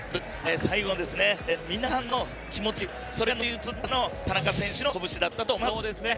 最後の皆さんの気持ちが乗り移った、最後の田中選手の拳だったと思います。